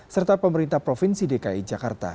serta pemerintah provinsi dki jakarta